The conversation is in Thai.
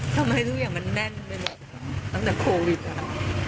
ทำไมทุกอย่างมันแน่นไปหมดตั้งแต่โควิดค่ะ